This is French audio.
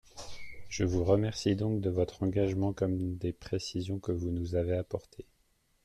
Je vous remercie donc de votre engagement comme des précisions que vous nous avez apportées.